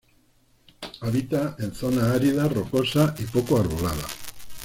Habita en zonas áridas, rocosas y poco arboladas.